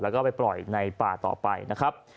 แล้วก็ไปปล่อยในป่าต่อไปนะครับ